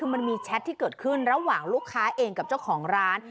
คือมันมีแชทที่เกิดขึ้นระหว่างลูกค้าเองกับเจ้าของร้าน